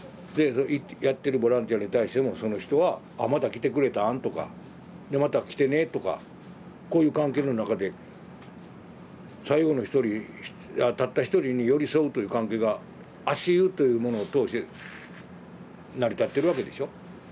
でやってるボランティアに対してもその人は「あまた来てくれたん」とか「また来てね」とか。こういう関係の中で最後の一人たった一人に寄り添うという関係が足湯というものを通して成り立ってるわけでしょ。